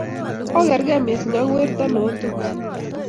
Ogergeri missing ako werto notupche